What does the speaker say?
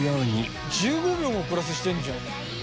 １５秒もプラスしてんじゃん。